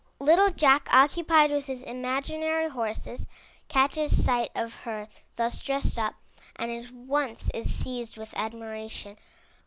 Little Jack, occupied with his im aginary horses, catches sight of her thus dressed up, and at once is seized with admiration.